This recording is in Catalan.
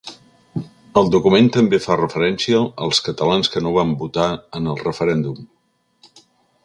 El document també fa referència als catalans que no van votar en el referèndum.